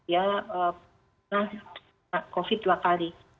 ya karena covid sembilan belas dua kali